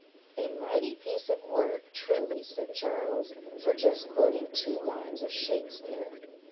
"A mighty piece of work, truly," said Charles, "for just quoting two lines of Shakspeare!"